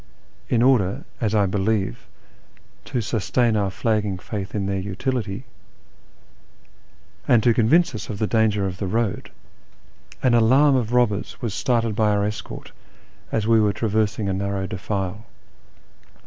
In order, as I believe, to sustain our flagging faith in their utility, and to convince us of the danger of the road, an alarm of robbers was started by our escort as we were traversing a narrow defile.